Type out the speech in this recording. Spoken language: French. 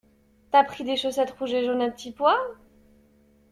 T'as pris des chaussettes rouges et jaunes à petits pois?